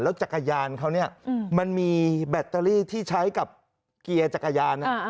จักรยานเขาเนี่ยมันมีแบตเตอรี่ที่ใช้กับเกียร์จักรยาน